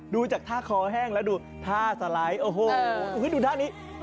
ดูจากท่าคอแห้งแล้วดูท่าสไลด์โอ้โหดูท่านี้